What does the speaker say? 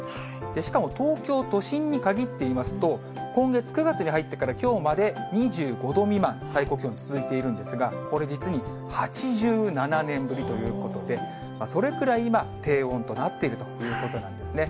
しかも東京都心に限っていいますと、今月９月に入ってから、きょうまで２５度未満、最高気温続いているんですが、これ実に８７年ぶりということで、それくらい今、低温となっているということなんですね。